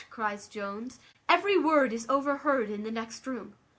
cries Jones, "every word is overheard in the next room."